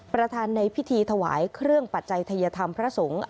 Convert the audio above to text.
ประธานในพิธีถวายเครื่องปัจจัยทัยธรรมพระสงฆ์